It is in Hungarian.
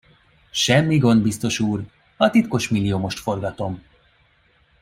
Semmi gond, biztos úr, a Titkos Milliomost forgatom.